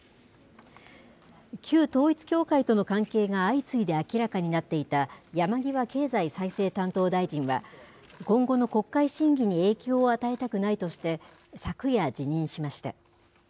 旧統一教会との関係が相次いで明らかになっていた山際経済再生担当大臣は、今後の国会審議に影響を与えたくないとして、昨夜、辞任しました。